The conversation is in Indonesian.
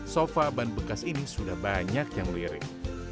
sofa ban bekas ini sudah banyak yang melirik